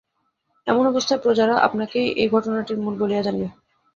এমন অবস্থায় প্রজারা আপনাকেই এই ঘটনাটির মূল বলিয়া জানিবে।